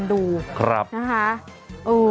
จัดกระบวนพร้อมกัน